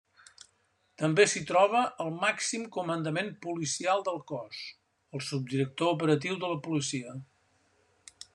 També s'hi troba el màxim comandament policial del cos: el Subdirector Operatiu de la Policia.